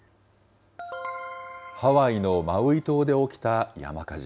ハワイのマウイ島で起きた山火事。